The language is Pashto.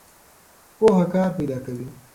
پوهه کار پیدا کوي.